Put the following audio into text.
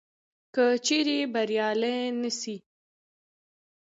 که چیري بریالي نه سي